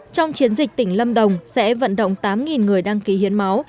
trong chiến dịch tỉnh lâm đồng sẽ vận động tám người đăng ký hiến máu